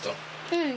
うん。